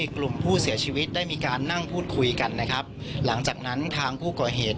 กลุ่มผู้เสียชีวิตได้มีการนั่งพูดคุยกันนะครับหลังจากนั้นทางผู้ก่อเหตุ